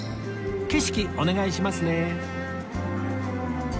景色お願いしますね